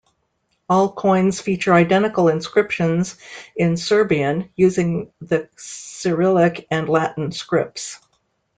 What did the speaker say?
All coins feature identical inscriptions in Serbian, using the Cyrillic and Latin scripts.